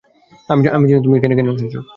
আমি জানি, তুমি এখানে কেন এসেছো?